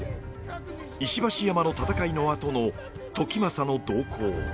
石橋山の戦いのあとの時政の動向。